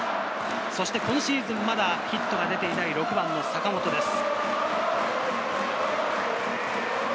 そして今シーズンまだヒットが出ていない、６番の坂本です。